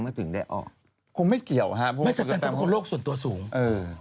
เออคงไม่เกี่ยวฮะเขาเป็นคนโลกส่วนตัวสูงเออ